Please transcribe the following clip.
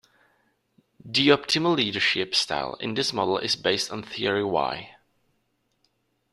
The optimal leadership style in this model is based on Theory Y.